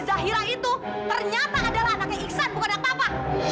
zahira itu ternyata adalah anaknya iksan bukan anak bapak